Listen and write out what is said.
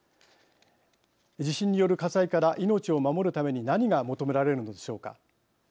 地震による火災から命を守るために何が求められるのでしょうか。